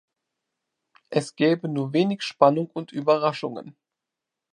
Es gäbe nur wenig Spannung und Überraschungen.